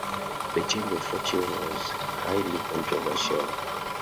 The change of fortune 'was highly controversial.